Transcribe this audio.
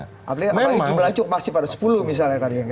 kalau jumlah cukup masih pada sepuluh misalnya